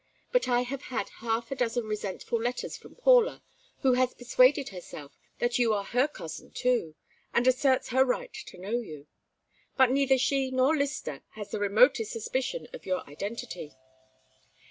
But I have had half a dozen resentful letters from Paula, who has persuaded herself that you are her cousin too, and asserts her right to know you. But neither she nor Lyster has the remotest suspicion of your identity.